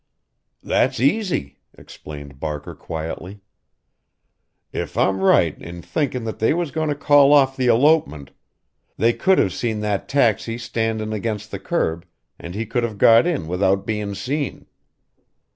"That's easy," explained Barker quietly. "If I'm right in thinkin' that they was goin' to call off the elopement they could have seen that taxi standin' against the curb and he could have got in without bein' seen.